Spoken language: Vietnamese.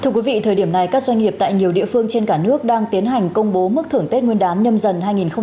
thưa quý vị thời điểm này các doanh nghiệp tại nhiều địa phương trên cả nước đang tiến hành công bố mức thưởng tết nguyên đán nhâm dần hai nghìn hai mươi